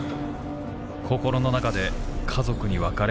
心の中で家族に別れも告げた。